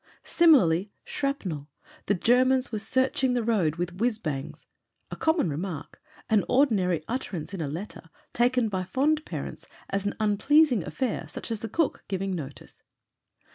... Similarly — shrapnel! "The Germans were search ing the road with 'whizz bangs.' " A common remark, an ordinary utterance in a letter, taken by fond parents as an unpleasing affair such as the cook giving notice.